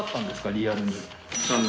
リアルに。